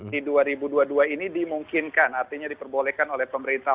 di dua ribu dua puluh dua ini dimungkinkan artinya diperbolehkan oleh pemerintah